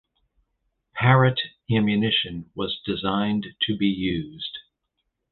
Parrott ammunition was designed to be used.